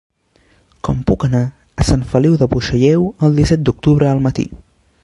Com puc anar a Sant Feliu de Buixalleu el disset d'octubre al matí?